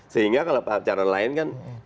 sehingga kalau cara lain kan